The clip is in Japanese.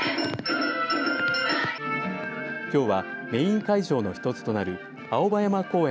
きょうはメイン会場の一つとなる青葉山公園